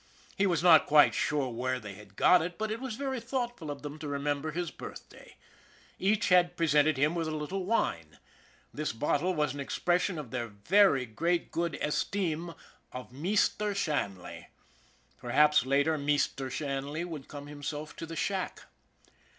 He was not quite sure where they had got it, but it was very thoughtful of them to remember his birthday. Each had presented him with a little wine. This bottle was an expression of their very great good estime of Meester Shanley. Perhaps, later, Meester Shanley would come himself to the shack.